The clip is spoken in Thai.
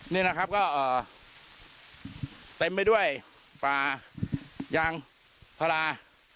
เนี้ยนะครับก็เอ่อเต็มไปด้วยปลายังพลา